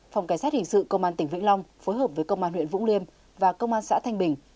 phòng cảnh sát hình sự công an tỉnh vĩnh long phối hợp với công an huyện vũng liêm và công an xã thanh bình